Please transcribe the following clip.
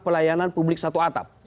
pelayanan publik satu atap